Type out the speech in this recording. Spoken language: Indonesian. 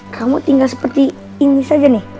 kamu tinggal seperti ini saja nih